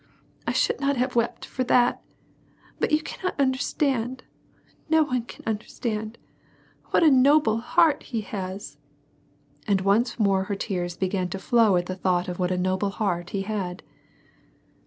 — I should not have wept for that — but you cannot understand — No one can understand — what a noble heart he has." And once more her tears began to flow at the thought of what a noble heart he had.